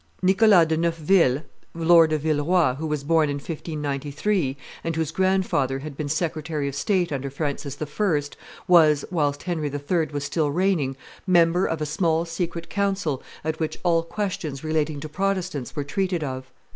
Nicholas de Neufville, Lord of Villeroi, who was born in 1543, and whose grandfather had been secretary of state under Francis I., was, whilst Henry III. was still reigning, member of a small secret council at which all questions relating to Protestants were treated of.